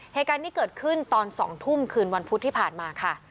เหตุการณ์นี้เกิดขึ้นตอน๒ทุ่มคืนวันพุธที่ผ่านมาค่ะ